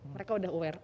mereka udah aware